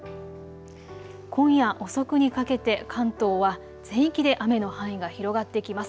今夜遅くにかけて関東は全域で雨の範囲が広がってきます。